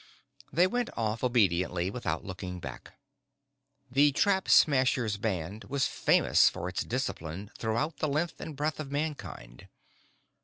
They went off obediently without looking back. The Trap Smasher's band was famous for its discipline throughout the length and breadth of Mankind.